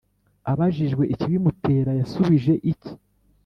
Abajijwe ikibimutera yasubije iki?